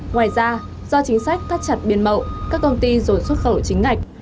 ngoài ra do chính sách tắt chặt biển mậu các công ty dồn xuất khẩu chính ngạch